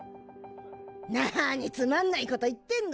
なにつまんないこと言ってんのよ！